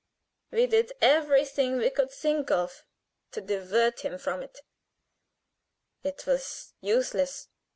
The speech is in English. "We did everything we could think of to divert him from it. It was useless.